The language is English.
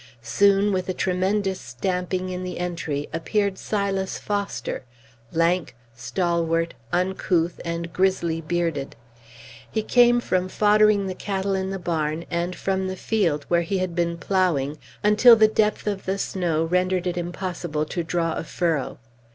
Soon, with a tremendous stamping in the entry, appeared Silas Foster, lank, stalwart, uncouth, and grizzly bearded. He came from foddering the cattle in the barn, and from the field, where he had been ploughing, until the depth of the snow rendered it impossible to draw a furrow.